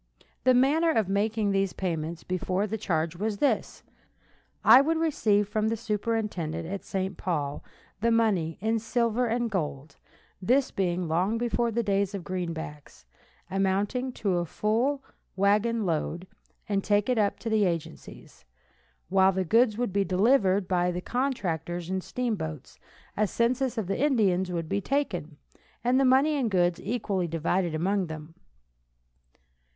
The manner of making these payments before the change was this: I would receive from the superintendent, at St. Paul, the money, in silver and gold (this being long before the days of greenbacks), amounting to a full wagon load, and take it up to the agencies, while the goods would be delivered by the contractors in steamboats, a census of the Indians would be taken, and the money and goods equally divided among them.